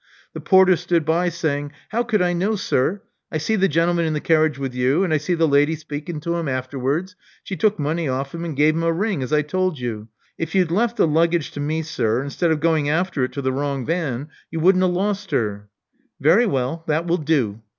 The porter stood by, saying, How could I know, sir? I see the gen'lman in the carriage with you; an* I see the lady speakin' to him arterwards. She took money off him, and gev him a ring, as I told you. If you'd left the luggage to me, sir, 'stead of going arter it to the wrong van, you wouldn't ha' lost her." Very well: that will do."